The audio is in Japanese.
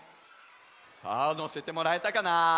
さあのせてもらえたかな？